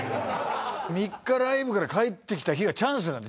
３日ライブから帰ってきた日がチャンスなんだ